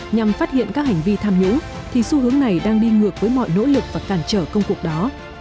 nhằm phát hiện các hành vi tham nhũng thì xu hướng này đang đi ngược với mọi nỗ lực và cản trở công cuộc đó